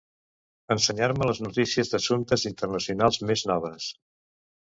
Ensenyar-me les notícies d'assumptes internacionals més noves.